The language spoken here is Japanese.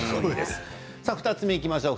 ２つ目、いきましょう。